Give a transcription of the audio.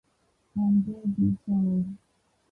And they did so.